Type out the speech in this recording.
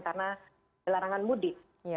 karena larangan mudik